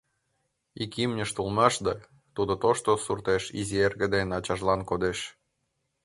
Ик имньышт улмаш да, тудо тошто суртеш изи эрге ден ачажлан кодеш.